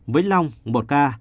vĩnh long một ca